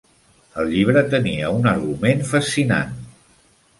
El llibre tenia un argument fascinant.